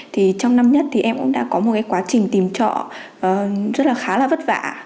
trong năm nhất em cũng đã có một quá trình tìm trọ rất là khá là vất vả